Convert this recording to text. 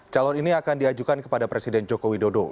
calon ini akan diajukan kepada presiden joko widodo